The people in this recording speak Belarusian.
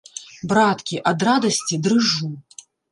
Браткі, ад радасці дрыжу.